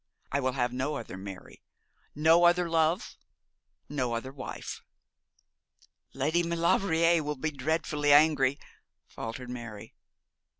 I will have no other, Mary, no other love, no other wife.' 'Lady Maulevrier will be dreadfully angry,' faltered Mary.